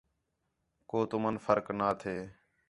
کُو تُمن فرق نا تھے